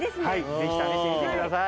ぜひ試してみてください。